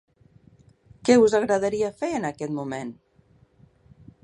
Què us agradaria fer en aquest moment?